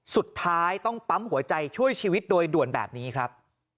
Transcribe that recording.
สุดท้ายต้องปั๊มหัวใจช่วยชีวิตโดยด่วนแบบนี้ครับ